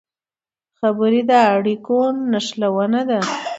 خبرې د اړیکو نښلونه ده